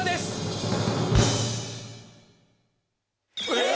え！